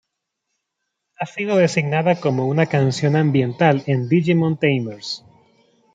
Ha sido designada como una canción ambiental en "Digimon Tamers".